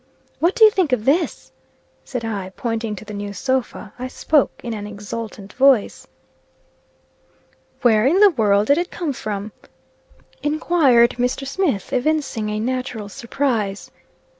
"What do you think of this?" said I, pointing to the new sofa. I spoke in an exultant voice. "Where in the world did it come from?" enquired Mr. Smith, evincing a natural surprise.